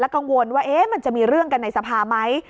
กังวลว่ามันจะมีเรื่องกันในสภาไหม